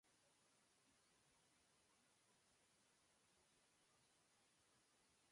Ostatní sruby se nacházely v počátečních fázích výstavby.